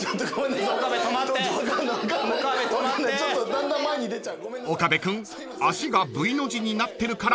だんだん前に出ちゃう。